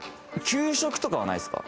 給食とかはないですか？